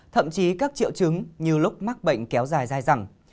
thậm chí các triệu chứng như lúc mắc bệnh kéo dài dài dẳng